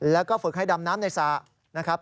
แล้วก็ฝึกให้ดำน้ำในสระนะครับ